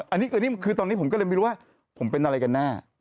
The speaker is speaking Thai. อันนี้คือตอนนี้ผมก็เลยไม่รู้ว่าผมเป็นอะไรกันแน่